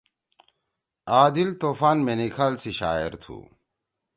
عادل طوفان مینیکھال سی شاعر تُھو۔